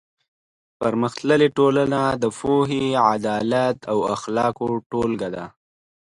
پرمختللې ټولنه د پوهې، عدالت او اخلاقو ټولګه ده.